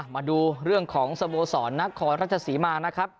มาดูเรื่องของสโมสรนครราชศรีมานะครับ